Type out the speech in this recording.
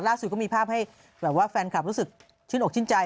ล่าสุดก็มีภาพให้แฟนคลับรู้สึกชื่นอกชินใจ